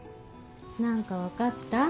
何か分かった？